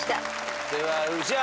では宇治原。